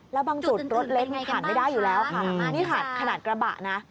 แล้วบางจุดรถเล็กมันผ่านไม่ได้อยู่แล้วค่ะนี่ขนาดกระบะนะ